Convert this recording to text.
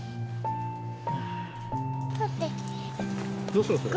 どうするの？